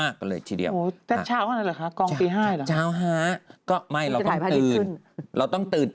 คือคือคือคือ